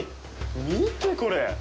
見て、これ。